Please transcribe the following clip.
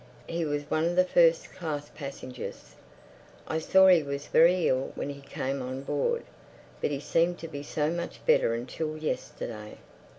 "He was one of the first class passengers. I saw he was very ill when he came on board.... But he seemed to be so much better until yesterday.